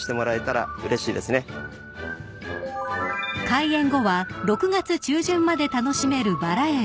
［開園後は６月中旬まで楽しめるバラ園］